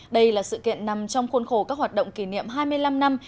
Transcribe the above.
đây là sự kiện nằm trong khuôn khổ các hoạt động kỷ niệm hai mươi năm năm